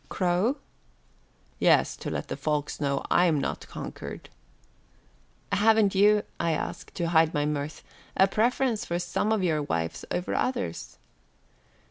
"Crow?" "Yes, to let the folks know I'm not conquered." "Haven't you," I asked, to hide my mirth, "a preference for some of your wives over others?"